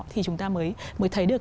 thì chúng ta mới thấy được